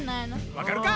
わかるか！